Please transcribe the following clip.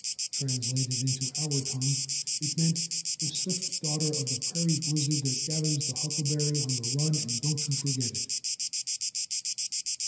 Translated into our tongue it meant The swift daughter of the prairie blizzard that gathers the huckleberry on the run and don't you forget it.